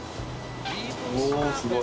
おすごい。